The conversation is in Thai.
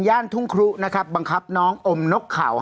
ท่านหันกันหลบกับหุดละกาว